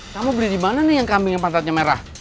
kamu beli di mana nih yang kambing yang pangkatnya merah